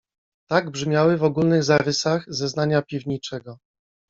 "Tak brzmiały w ogólnych zarysach zeznania piwniczego."